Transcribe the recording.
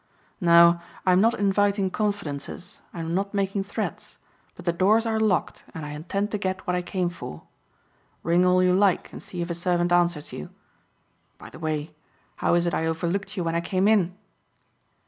Now, I'm not inviting confidences and I'm not making threats, but the doors are locked and I intend to get what I came for. Ring all you like and see if a servant answers you. By the way how is it I overlooked you when I came in?"